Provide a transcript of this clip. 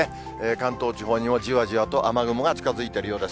関東地方にもじわじわと雨雲が近づいてるようです。